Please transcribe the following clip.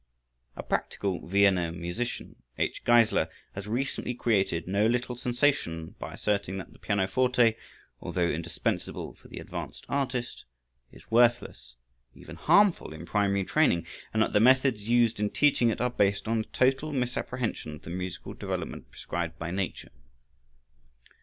A practical Vienna musician, H. Geisler, has recently created no little sensation by asserting that the pianoforte, although indispensable for the advanced artist, is worthless, even harmful, in primary training, and that the methods used in teaching it are based on a total misapprehension of the musical development prescribed by nature.